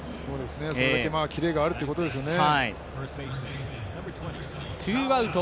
それだけキレがあるということですよね。